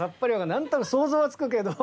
何となく想像はつくけど。